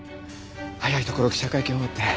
早いところ記者会見を終えて。